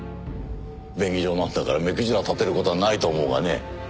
便宜上なんだから目くじら立てる事はないと思うがね。